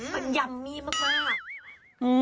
มันยะมี้มมาก